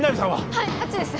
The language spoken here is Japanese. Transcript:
はいあっちです